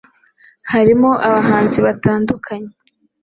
harimo abahanzi batandukanye